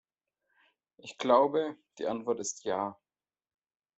Ich glaube, die Antwort ist ja.